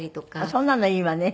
そんなのいいわね。